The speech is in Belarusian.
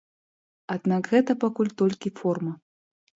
Аднак гэта пакуль толькі форма.